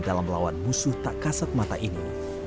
dalam melawan musuh tak kasat mata ini